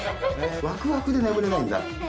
ワクワクで眠れないんだ。